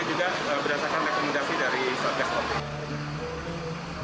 yang hotelnya juga berdasarkan rekomendasi dari satya sporting